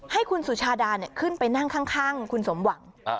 ให้คุณสุชาดาขึ้นไปนั่งข้างคุณสมหวัง